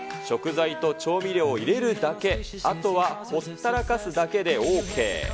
食材と調味料を入れるだけ、あとはほったらかすだけでＯＫ。